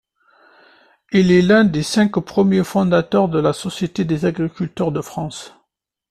Il est l'un des cinq premiers fondateurs de la Société des agriculteurs de France.